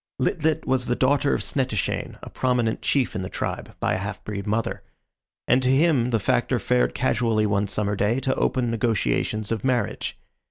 Lit lit was the daughter of Snettishane, a prominent chief in the tribe, by a half breed mother, and to him the Factor fared casually one summer day to open negotiations of marriage.